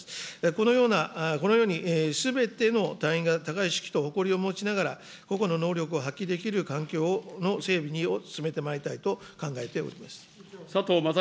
このような、このようにすべての隊員が高い意識と誇りを持ちながら、個々の能力を発揮できる環境の整備を進めてまいりたいと考えております。